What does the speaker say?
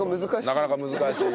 なかなか難しい。